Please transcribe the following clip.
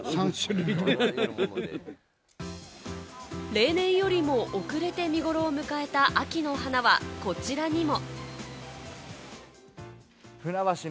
例年よりも遅れて見頃を迎えた秋の花はこちらにも。